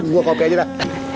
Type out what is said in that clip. gua kopi aja lah